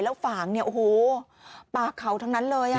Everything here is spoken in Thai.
แล้วฝางเนี่ยโอ้โหป่าเขาทั้งนั้นเลย